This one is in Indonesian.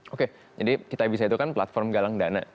oke jadi kitabisa itu kan platform galang dana